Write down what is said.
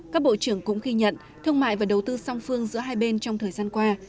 các bộ trưởng cũng ghi nhận thương mại và đầu tư song phương giữa hai bên trong thời gian qua